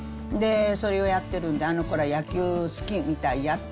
それをやってるんで、あの子ら野球好きみたいやって。